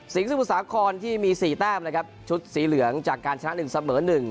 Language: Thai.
สิงสมุทรสาครที่มีสี่แต้มเลยครับชุดสีเหลืองจากการชนะหนึ่งเสมอหนึ่ง